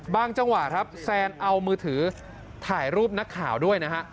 จังหวะครับแซนเอามือถือถ่ายรูปนักข่าวด้วยนะฮะ